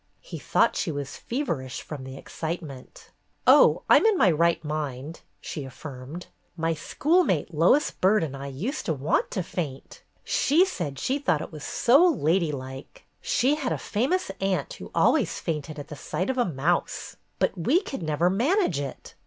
He thought she was feverish from the excitement. "Oh, I'm in my right mind," she affirmed. "My schoolmate, Lois Byrd, and I used to want to faint. She said she thought it was so 'ladylike.' She had a famous aunt who always fainted at the sight of a mouse. But we could never manage it.